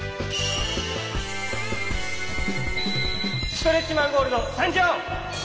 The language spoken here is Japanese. ストレッチマン・ゴールドさんじょう！